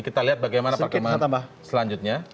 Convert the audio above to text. kita lihat bagaimana pak keman selanjutnya